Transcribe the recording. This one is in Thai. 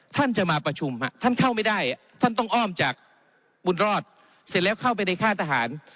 ท่านจะมาประชุมท่านเข้าไม่ได้ท่านต้องอ้อมจากบุญรอดเสร็จแล้วเข้าไปในค่ายทหาร